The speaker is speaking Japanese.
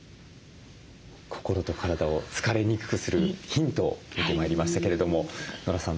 心と体を疲れにくくするヒントを見てまいりましたけれどもノラさん